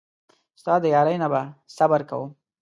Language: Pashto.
ستا د یارۍ نه به صبر کوم.